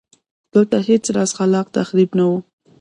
دلته هېڅ راز خلاق تخریب نه و